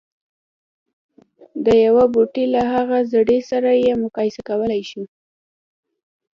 د يوه بوټي له هغه زړي سره يې مقايسه کولای شو.